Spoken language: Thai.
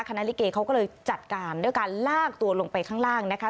ลิเกเขาก็เลยจัดการด้วยการลากตัวลงไปข้างล่างนะคะ